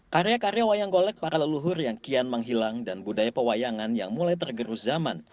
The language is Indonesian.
karya karya wayang golek para leluhur yang kian menghilang dan budaya pewayangan yang mulai tergerus zaman